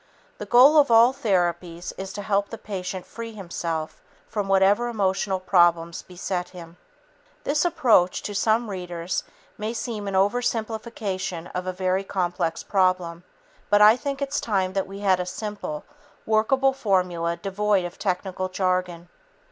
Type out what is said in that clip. The goal of all therapies is to help the patient free himself from whatever emotional problems beset him. This approach, to some readers, may seem an oversimplification of a very complex problem, but I think it's time that we had a simple, workable formula devoid of technical jargon.